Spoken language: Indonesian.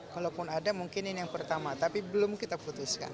kalaupun ada mungkin ini yang pertama tapi belum kita putuskan